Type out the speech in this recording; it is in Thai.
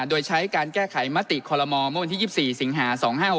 โดยใช้การแก้ไขมติคอลโมเมื่อวันที่๒๔สิงหา๒๕๖๖